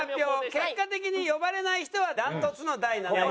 結果的に呼ばれない人は断トツの第７位です。